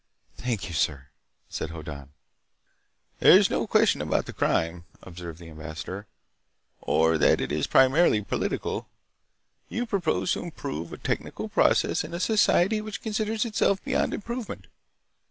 "Thank you, sir," said Hoddan. "There's no question about the crime," observed the ambassador, "or that it is primarily political. You proposed to improve a technical process in a society which considers itself beyond improvement.